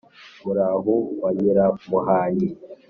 murahu wa nyiramuhanyi